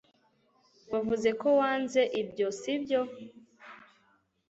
wavuze ko wanze ibyo, sibyo